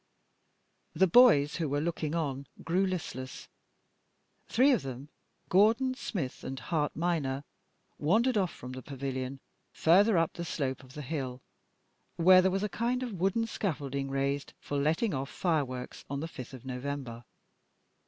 The boys who were looking on grew listless: three of them, Gordon, Smith, and Hart minor, wandered off from the pavilion further up the slope of the hill, where there was a kind of wooden scaffolding raised for letting off fireworks on the 5th of November.